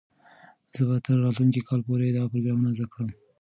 زه به تر راتلونکي کال پورې دا پروګرام زده کړم.